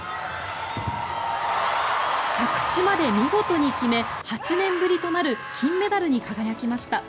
着地まで見事に決め８年ぶりとなる金メダルに輝きました。